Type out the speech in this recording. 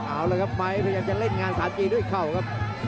เอาละครับไม้พยายามจะเล่นงานสากีด้วยเข่าครับ